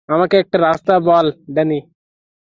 আমাকে একটা রাস্তা বল, ড্যানি।